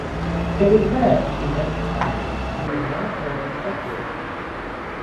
It was there she met Talmage, who was one of her instructors.